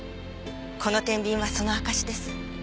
この天秤はその証しです。